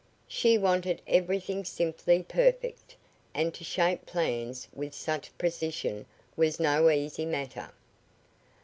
She wanted everything simply perfect, and to shape plans with such precision was no easy matter.